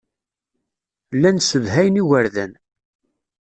Llan ssedhayen igerdan.